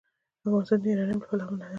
افغانستان د یورانیم له پلوه متنوع دی.